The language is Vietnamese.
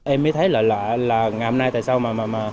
em mới thấy là lạ là ngày hôm nay tại sao mà